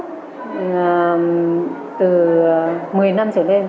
từ một mươi năm trở lên